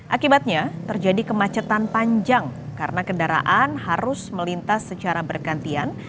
akibatnya terjadi kemacetan panjang karena kendaraan harus melintas secara bergantian